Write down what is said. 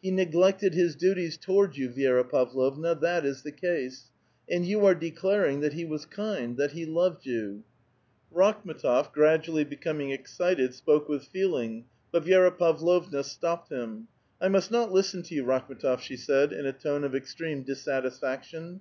He neglected his duties toward you, Vi^ra Pavlovna ; that is the case ; and you are declaring that he wns kind, that he loved you." Rakhm^tof, gradually becoming excited, spoke with feeling ; but Vi^ra Pavlovna stopped him. *' I must not listen to you, Rakhm^tof," she said, in a tone of extreme dissatisfaction.